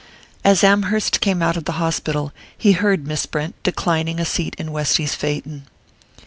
As Amherst came out of the hospital, he heard Miss Brent declining a seat in Westy's phaeton.